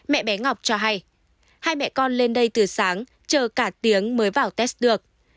mẹ bé ngọc cho hay hai mẹ con lên đây từ sáng chờ cả tiếng mới vào test được